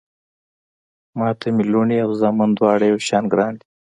ما ته مې لوڼه او زامن دواړه يو شان ګران دي